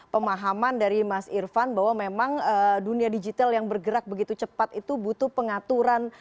pemahaman dari mas irfan bahwa memang dunia digital yang bergerak begitu cepat itu butuh pengaturan